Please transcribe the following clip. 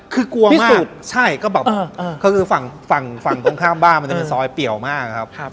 คือกลัวมากใช่ก็แบบคือฝั่งฝั่งตรงข้ามบ้านมันจะเป็นซอยเปี่ยวมากครับ